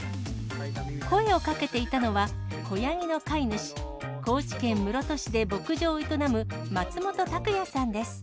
声をかけていたのは、子ヤギの飼い主、高知県室戸市で牧場を営む松本拓也さんです。